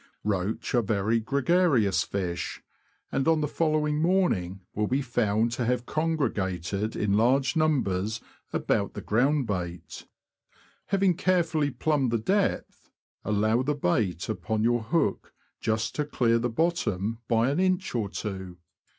Roach are very gregarious fish, and on the follow ing morning will be found to have congregated in large numbers about the ground bait. Having care fully plumbed the depth, allow the bait upon your 282 THE LAND OF THE BROADS. hook just to clear the bottom by an inch or two.